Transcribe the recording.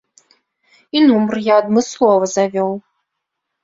І нумар я адмыслова завёў.